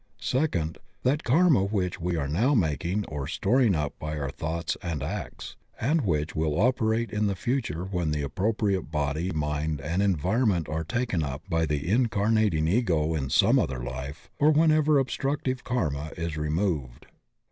Second — ^that karma which we are now making or storing up by our thoughts and acts, and which will operate in the future when the appropriate body, mind, and environment are taken up by the incarnating Ego in some other life, or whenever obstructive karma is removed.